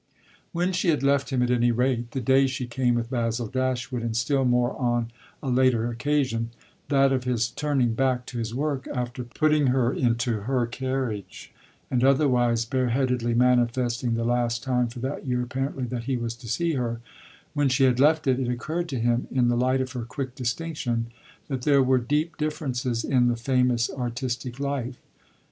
When she had left him at any rate, the day she came with Basil Dashwood, and still more on a later occasion, that of his turning back to his work after putting her into her carriage, and otherwise bare headedly manifesting, the last time, for that year apparently, that he was to see her when she had left him it occurred to him in the light of her quick distinction that there were deep differences in the famous artistic life.